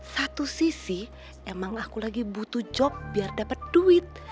satu sisi emang aku lagi butuh job biar dapat duit